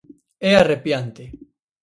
É arrepiante.